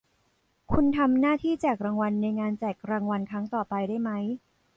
คุณทำหน้าที่แจกรางวัลในงานแจกรางวัลครั้งต่อไปได้มั้ย